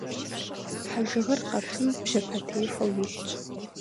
Хьэжыгъэр къэпым бжьэпэтехуэу илъщ.